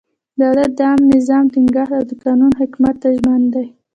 دولت د عامه نظم ټینګښت او د قانون حاکمیت ته ژمن دی.